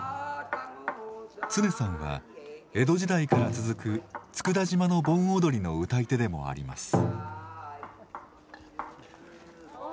恒さんは江戸時代から続く佃島の盆踊りの歌い手でもあります。